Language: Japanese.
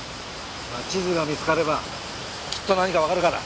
地図が見つかればきっと何かわかるから。